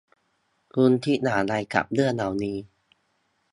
คุณคิดอย่างไรกับเรื่องเหล่านี้